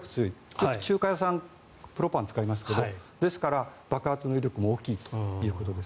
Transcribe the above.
よく、中華屋さんはプロパンを使いますが爆発の威力も大きいということです。